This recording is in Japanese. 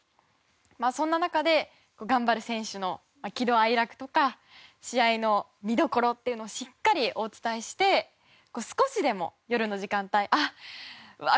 そんな中で頑張る選手の喜怒哀楽とか試合の見どころっていうのをしっかりお伝えして少しでも夜の時間帯あっわあ